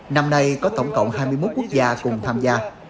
năm nay có tổng cộng hai mươi một quốc gia cùng tham gia